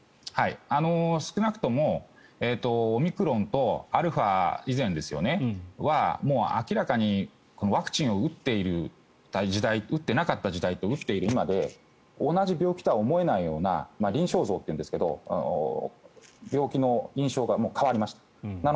少なくともオミクロンとアルファ以前は明らかにワクチンを打っていなかった時代と打っている今で同じ病気とは思えないような臨床像というんですが病気の印象が変わりました。